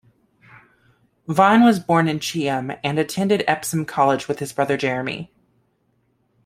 Vine was born in Cheam, and attended Epsom College with his brother Jeremy.